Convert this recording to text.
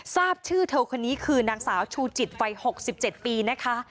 ทราบชื่อเธอคนนี้คือนางสาวชูจิตไฟหกสิบเจ็ดปีนะคะ